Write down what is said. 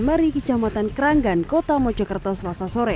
mari kecamatan keranggan kota mojokerto selasa sore